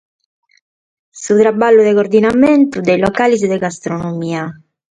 Su traballu de coordinamentu de is locales de gastronomia.